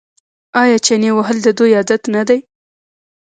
آیا چنې وهل د دوی عادت نه دی؟